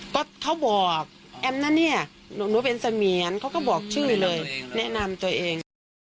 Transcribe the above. ก็เขาบอกแอมนะเนี่ยหนูเป็นเสมียนเขาก็บอกชื่อเลยแนะนำตัวเอง